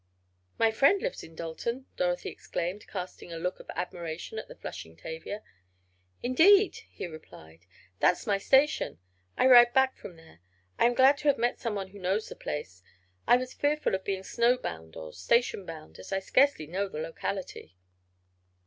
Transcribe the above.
"My friend lives at Dalton," Dorothy exclaimed, casting a look of admiration at the flushing Tavia. "Indeed?" he replied. "That's my station. I ride back from there. I am glad to have met someone who knows the place. I was fearful of being snowbound or station bound, as I scarcely know the locality."